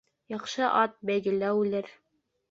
Яҡшы ат бәйгелә үлер.